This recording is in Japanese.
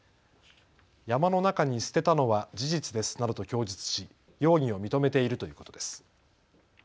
山の中に捨てたのは事実ですなどと供述し容疑を認めているということです。